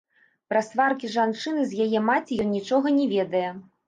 Пра сваркі жанчыны з яе маці ён нічога не ведае.